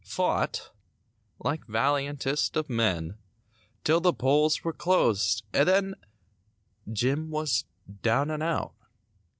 Fought (?) like valiantest of men 'Till the polls were closed—and then— Jim was down and out.